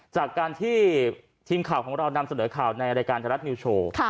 จากการที่ทีมข่าวของเรานำเสนอข่าวในรายการไทยรัฐนิวโชว์